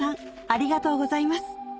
ありがとうございます